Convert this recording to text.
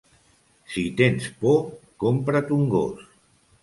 Si tens por, compra't un gos.